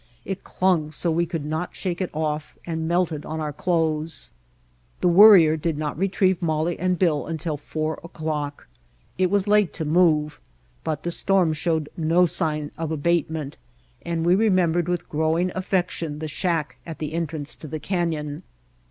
It clung so we could not shake it off and melted on our clothes. The Worrier did not retrieve Molly and Bill until four o'clock. It was late to move, but the storm showed no sign of abatement and we remem bered with growing affection the shack at the entrance to the canyon.